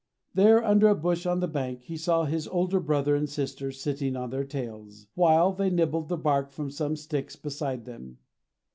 There, under a bush on the bank, he saw his older brother and sister sitting on their tails, while they nibbled the bark from some sticks beside them.